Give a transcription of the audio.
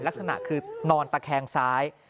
ลักษณะคือนอนตะแคงซ้าย